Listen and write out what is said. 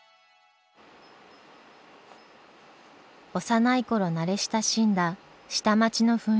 幼い頃慣れ親しんだ下町の雰囲気。